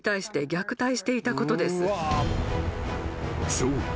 ［そう。